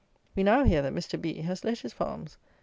We now hear that Mr. B has let his farms.